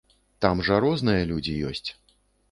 Там жа розныя людзі ёсць.